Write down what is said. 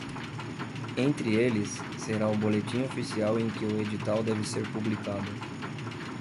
Entre eles, será o boletim oficial em que o edital deve ser publicado.